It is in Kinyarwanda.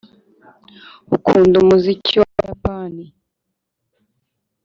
ukunda umuziki w'abayapani